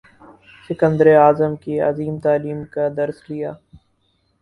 سکندر اعظم کی عظیم تعلیم کا درس لیا